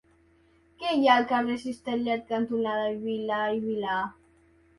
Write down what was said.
Què hi ha al carrer Cistellet cantonada Vila i Vilà?